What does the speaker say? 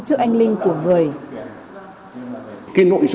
trước anh linh của người